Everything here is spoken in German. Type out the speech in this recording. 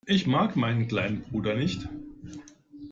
Ich mag meinen kleinen Bruder nicht.